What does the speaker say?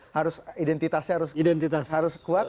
harus identitasnya harus kuat